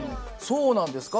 そうなんですか？